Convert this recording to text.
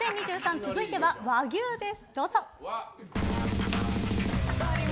続いては和牛です。